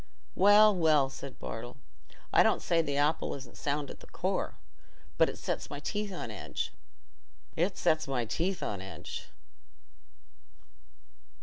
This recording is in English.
"Well, well," said Bartle, "I don't say th' apple isn't sound at the core; but it sets my teeth on edge—it sets my teeth on edge."